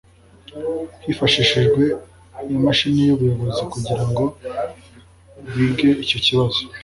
Hifashishijwe imashini y’ubuyobozi kugira ngo bige icyo kibazo